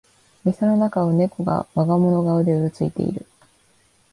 店の中をネコが我が物顔でうろついてる